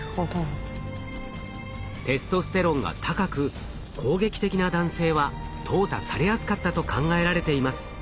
テストステロンが高く攻撃的な男性は淘汰されやすかったと考えられています。